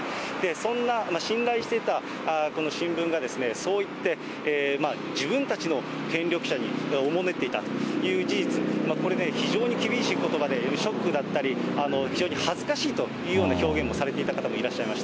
そんな信頼していたこの新聞が、そういって自分たちの権力者におもねっていたというこれね、非常に厳しいことばで、ショックだったり、非常に恥ずかしいというような表現をされていた方もいらっしゃい